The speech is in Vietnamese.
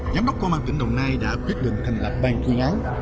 giám đốc công an tỉnh đồng nai đã quyết định thành lạc bàn quyên án